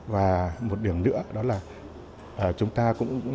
và một điểm nữa đó là chúng ta cũng